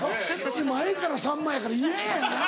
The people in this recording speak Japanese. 前からさんまやから嫌やよな。